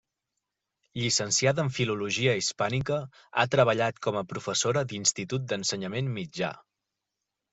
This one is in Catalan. Llicenciada en filologia hispànica, ha treballat com a professora d'institut d'ensenyament mitjà.